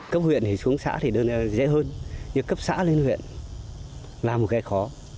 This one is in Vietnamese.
cấp huyện xuống xã thì dễ hơn nhưng cấp xã lên huyện là một cái khó